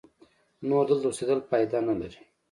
نور دلته اوسېدل پایده نه لري.